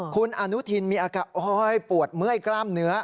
คุณอนุทินมีอาการอ้อยปวดเมื่อยกล้ามเนื้อ